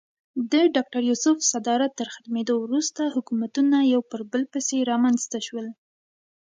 د ډاکټر یوسف صدارت تر ختمېدو وروسته حکومتونه یو پر بل پسې رامنځته شول.